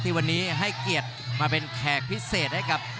วันนี้ให้เกียรติมาเป็นแขกพิเศษให้กับ